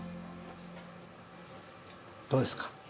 どうですか？